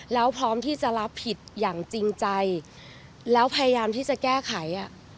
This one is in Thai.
แล้วพร้อมที่จะรับผิดอย่างจริงใจแล้วพยายามที่จะแก้ไข